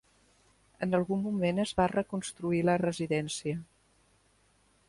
En algun moment es va reconstruir la residència.